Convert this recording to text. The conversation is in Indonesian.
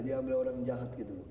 diambil orang yang jahat gitu